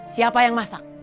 siapa yang masak